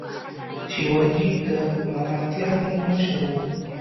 شیواجي د مراتیانو مشر و.